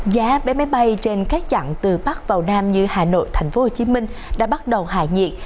giá bé máy bay trên các chặng từ bắc vào nam như hà nội tp hcm đã bắt đầu hạ nhiệt